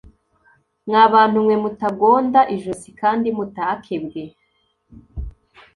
Mwa bantu mwe mutagonda ijosi kandi mutakebwe